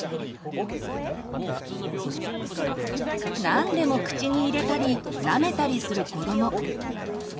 何でも口に入れたりなめたりする子ども。